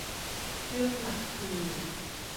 เรื่องหลักคือ